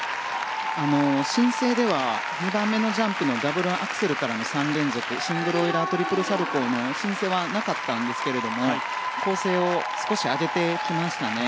申請では２番目のジャンプのダブルアクセルからの３連続シングルオイラートリプルサルコウの申請はなかったんですが構成を少し上げてきましたね。